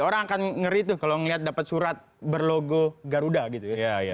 orang akan ngeri tuh kalau ngeliat dapat surat berlogo garuda gitu ya